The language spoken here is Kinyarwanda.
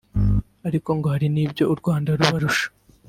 ariko ngo hari n’ibyo u Rwanda rubarusha